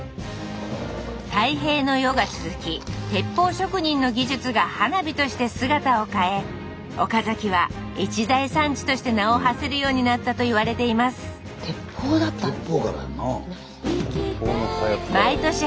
太平の世が続き鉄砲職人の技術が花火として姿を変え岡崎は一大産地として名をはせるようになったと言われています鉄砲だったんですか。